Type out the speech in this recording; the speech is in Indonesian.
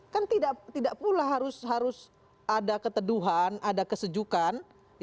kan tidak pula harus ada keteduhan ada kesejukan